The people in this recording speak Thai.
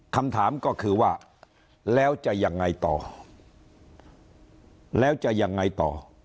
คำถามก็คือว่าแล้วจะยังไงต่อ